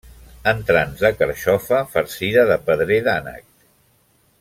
Entrants de carxofa farcida de pedrer d’ànec.